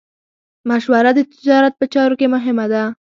مشوره د تجارت په چارو کې مهمه ده.